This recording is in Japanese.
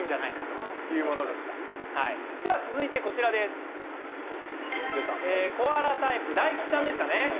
続いてコアラタイプ大吉さんでしたね。